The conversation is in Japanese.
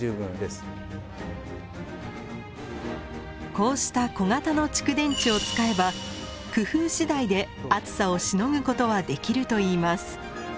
こうした小型の蓄電池を使えば工夫次第で暑さをしのぐことはできるといいます。